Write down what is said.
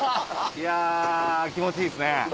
いや気持ちいいっすね。